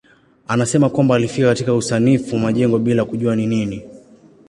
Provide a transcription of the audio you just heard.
Anasema kwamba alifika katika usanifu majengo bila kujua ni nini.